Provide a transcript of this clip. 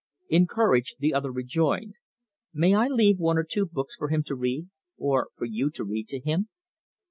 Encouraged, the other rejoined: "May I leave one or two books for him to read or for you to read to him?"